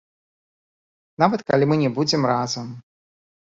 Нават, калі мы не будзем разам.